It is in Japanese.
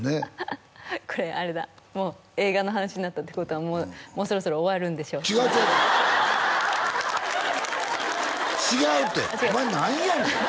これあれだもう映画の話になったってことはもうそろそろ終わるんでしょ違う違う違うってお前何やねん！